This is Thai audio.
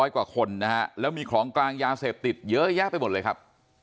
กว่าคนนะฮะแล้วมีของกลางยาเสพติดเยอะแยะไปหมดเลยครับ